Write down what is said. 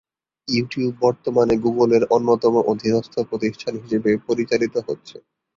YouTube বর্তমানে গুগলের অন্যতম অধীনস্থ প্রতিষ্ঠান হিসেবে পরিচালিত হচ্ছে।